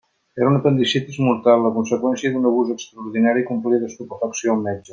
Era una apendicitis mortal: la conseqüència d'un abús extraordinari que omplia d'estupefacció el metge.